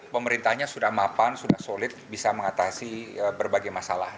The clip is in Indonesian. pemerintahnya sudah mapan sudah solid bisa mengatasi berbagai masalah